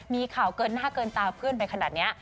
มีข่าวเกินหน้าเกินตาเพื่อนไปขนาดนี้